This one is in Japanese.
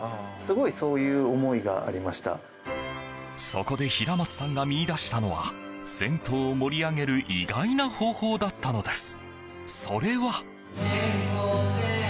そこで平松さんが見いだしたのは銭湯を盛り上げる意外な方法だったのです。